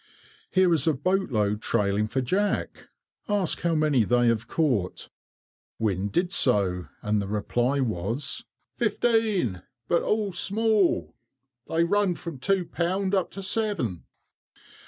Here is a boat load trailing for jack. Ask how many they have caught." Wynne did so, and the reply was, "Fifteen, but all small: they run from two pounds up to seven."